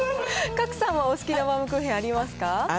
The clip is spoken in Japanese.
賀来さんはお好きなバウムクーヘン、ありますか。